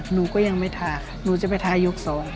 หนูก็ยังไม่ทาหนูจะไปทายกซอย